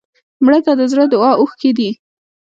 مړه ته د زړه دعا اوښکې دي